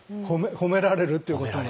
褒められるっていうことが。